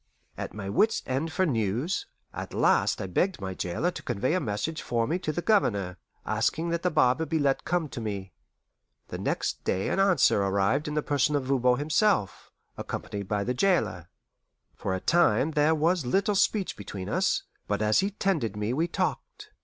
At my wits' end for news, at last I begged my jailer to convey a message for me to the Governor, asking that the barber be let come to me. The next day an answer arrived in the person of Voban himself, accompanied by the jailer. For a time there was little speech between us, but as he tended me we talked.